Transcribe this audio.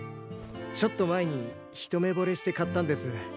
ちょっと前に一目ぼれして買ったんです。